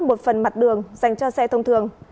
đây là một phần mặt đường dành cho xe thông thường